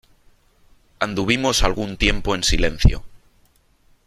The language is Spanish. anduvimos algún tiempo en silencio :